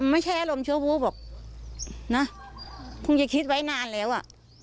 ไม่ใช่อารมณ์ชั่ววู้บอกนะคงจะคิดไว้นานแล้วอ่ะ